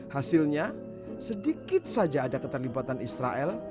hasilnya sedikit saja ada keterlibatan israel